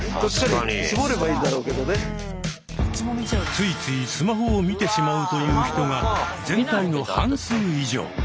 ついついスマホを見てしまうという人が全体の半数以上。